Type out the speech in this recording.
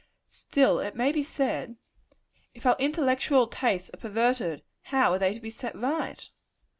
Still it may be said If our intellectual tastes are perverted, how are they to be set right?